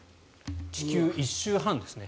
地球１周半ですね。